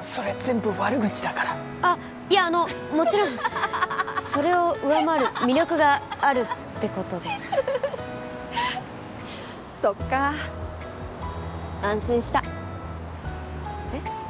それ全部悪口だからあっいやあのもちろんそれを上回る魅力があるってことでそっか安心したえっ？